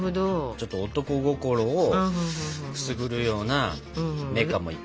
ちょっと男心をくすぐるようなメカもいっぱい出てくる。